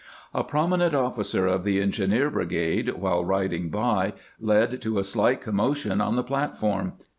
A prominent officer of the engineer brigade, while riding by, led to a slight commotion on the platform.